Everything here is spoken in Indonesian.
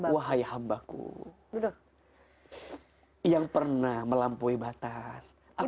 wahai hambaku yang pernah melampaui batas